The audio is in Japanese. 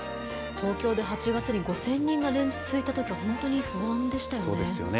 東京で８月に５０００人が連日続いたときは本当に不安でしたよね。